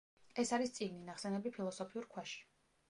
ეს არის წიგნი, ნახსენები „ფილოსოფიურ ქვაში“.